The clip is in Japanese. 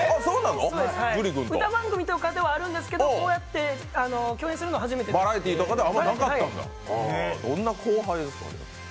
歌番組とかではあるんですけど、こうやって共演するのは初めてです。